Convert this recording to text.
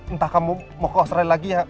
entah kamu mau ke australia lagi ya